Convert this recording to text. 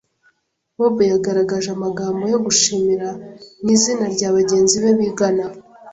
Bob yagaragaje amagambo yo gushimira mu izina rya bagenzi be bigana.